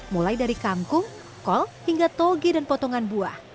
mulai dari kangkung kol hingga toge dan potongan buah